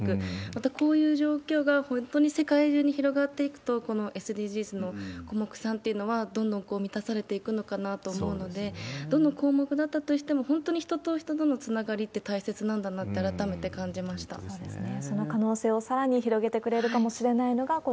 また、こういう状況が本当に世界中に広がっていくと、このＳＤＧｓの項目というのはどんどん満たされていくのかなと思うので、どの項目だったとしても、人と人とのつながりって大切だなって改めて感じましたね。